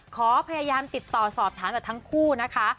ขอพยายามติดต่อสอบถามจากทั้งคู่นะคะ